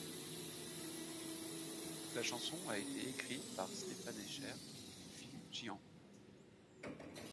La chanson a été écrite par Stephan Eicher et Philippe Djian.